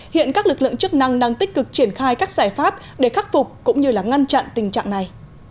hiện các lực lượng chức năng đang tích cực triển khai các giải pháp để khắc phục cũng như là ngăn chặn tình trạng này